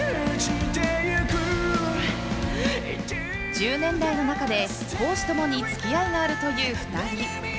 １０年来の仲で、公私共に付き合いがあるという２人。